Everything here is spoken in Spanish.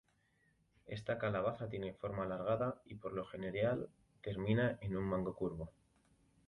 Esta calabaza tiene forma alargada y por lo general termina en un mango curvo.